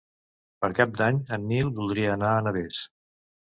Per Cap d'Any en Nil voldria anar a Navès.